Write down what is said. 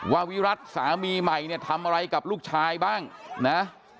วิรัติสามีใหม่เนี่ยทำอะไรกับลูกชายบ้างนะ